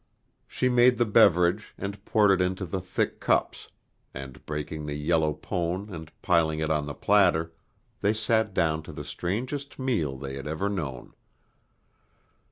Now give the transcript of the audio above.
She made the beverage and poured it into the thick cups, and breaking the yellow pone and piling it on a platter, they sat down to the strangest meal they had ever known.